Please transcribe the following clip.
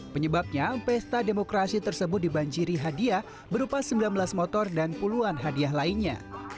penyebabnya pesta demokrasi tersebut dibanjiri hadiah berupa sembilan belas motor dan puluhan hadiah lainnya